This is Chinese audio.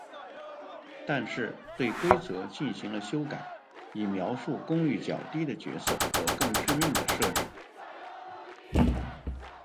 但是，对规则进行了修改，以描述功率较低的角色和更致命的设置。